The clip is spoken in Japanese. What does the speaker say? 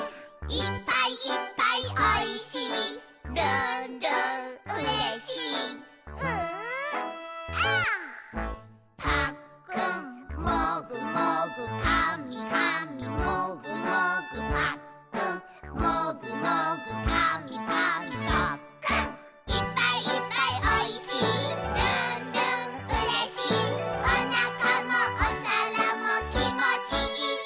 「いっぱいいっぱいおいしいるんるんうれしい」「おなかもおさらもきもちいい」